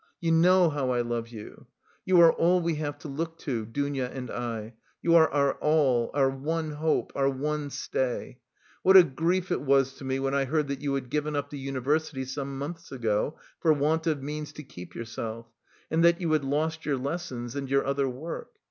You know how I love you; you are all we have to look to, Dounia and I, you are our all, our one hope, our one stay. What a grief it was to me when I heard that you had given up the university some months ago, for want of means to keep yourself and that you had lost your lessons and your other work!